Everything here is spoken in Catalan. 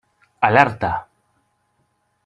Alerta.